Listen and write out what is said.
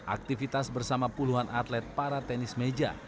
aktivitas bersama puluhan atlet para tenis meja